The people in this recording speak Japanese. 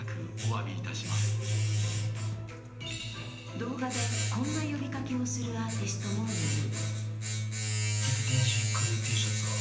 動画で、こんな呼びかけをするアーティストもいる。